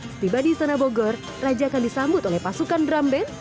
setiba di istana bogor raja akan disambut oleh pasukan drum band